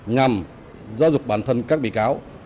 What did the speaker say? nhằm giáo dục bản thân các bị cáo